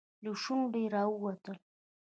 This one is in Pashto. له شونډو يې راووتل.